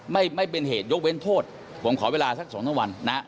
ไม่เป็นเหตุยกเว้นโทษผมขอเวลาสัก๒๓วัน